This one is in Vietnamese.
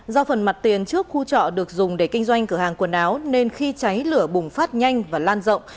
do phần mặt tiền trước khu trọ được dùng để kinh doanh cửa hàng quần áo nên khi cháy lửa bùng phát nhanh và lan rộng